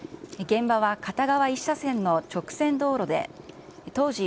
現場は片側１車線の直線道路で、当時、